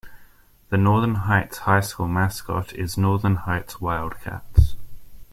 The Northern Heights High School mascot is Northern Heights Wildcats.